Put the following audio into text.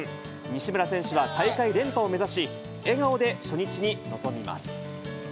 西村選手は大会連覇を目指し、笑顔で初日に臨みます。